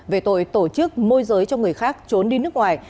về tội tổ chức môi giới cho người khác trốn đi nước ngoài